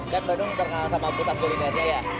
kan bandung terkenal sama pusat kulinernya ya